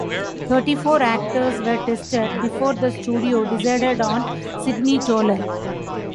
Thirty-four actors were tested before the studio decided on Sidney Toler.